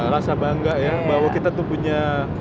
rasa bangga ya bahwa kita tuh punya